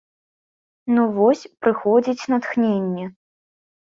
Ну вось, прыходзіць натхненне.